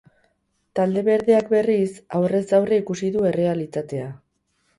Talde berdeak, berriz, aurrez aurre ikusi du errealitatea.